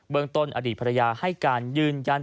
ต้นอดีตภรรยาให้การยืนยัน